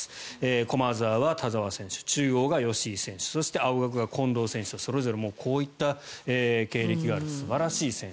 駒澤は田澤選手中央が吉居選手そして、青学が近藤選手とそれぞれこういった経歴がある素晴らしい選手。